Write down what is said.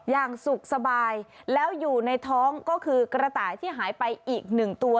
อย่างสุขสบายแล้วอยู่ในท้องก็คือกระต่ายที่หายไปอีกหนึ่งตัว